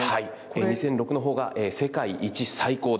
２００６のほうが、世界一最高だ。